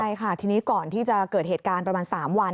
ใช่ค่ะทีนี้ก่อนที่จะเกิดเหตุการณ์ประมาณ๓วัน